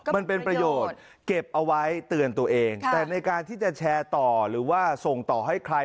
มันเป็นประโยชน์เก็บเอาไว้เตือนตัวเองแต่ในการที่จะแชร์ต่อหรือว่าส่งต่อให้ใคร